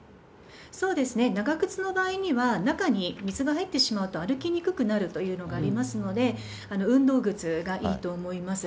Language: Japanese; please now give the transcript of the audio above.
そうですね、長靴の場合には、中に水が入ってしまうと歩きにくくなるというのがありますので、運動靴がいいと思います。